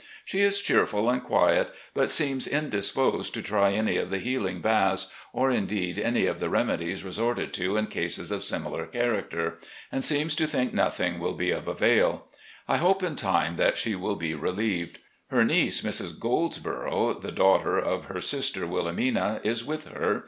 She is cheerful and quiet, but seems indisposed to try any of the healing 4i8 recollections OF GENERAL LEE baths, or, indeed, any of the remedies resorted to in cases of similar character, and seems to think nothing will be of avail. I hope in time that she will be relieved. Her niece, Mrs. Goldsborough, the daughter of her sister Wilhelmina, is with her.